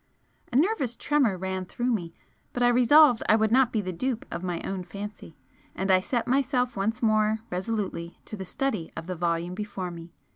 A nervous tremor ran through me, but I resolved I would not be the dupe of my own fancy, and I set myself once more resolutely to the study of the volume before me.